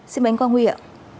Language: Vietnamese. xin mời anh quang huy ạ